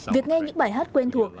việc nghe những bài hát quen thuộc